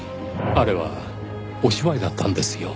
あれはお芝居だったんですよ。